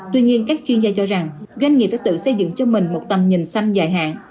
tuy nhiên các chuyên gia cho rằng doanh nghiệp phải tự xây dựng cho mình một tầm nhìn xanh dài hạn